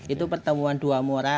itu pertemuan dua muara